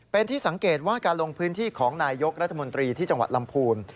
เป็นที่สังเกตว่าการลงพื้นที่ของนายยกรัฐมนตรีที่จังหวัดลำพูน